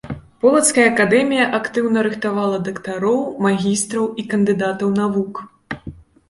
Полацкая акадэмія актыўна рыхтавала дактароў, магістраў і кандыдатаў навук.